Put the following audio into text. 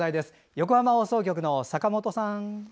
横浜放送局の坂本さん。